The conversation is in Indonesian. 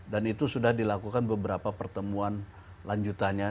dan itu sudah dilakukan beberapa pertemuan lanjutannya